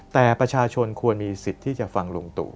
แต่ประชาชนควรมีสิทธิ์ที่จะฟังลุงตู่